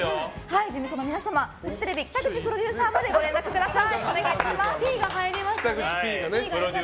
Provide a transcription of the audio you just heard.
事務所の皆様、フジテレビ北口プロデューサーまでご連絡ください。